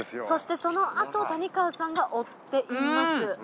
そしてそのあとを谷川さんが追っています。